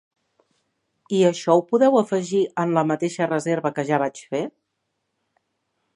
I això ho podeu afegir en la mateixa reserva que ja vaig fer?